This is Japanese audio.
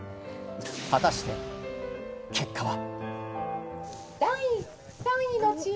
果たして、結果は。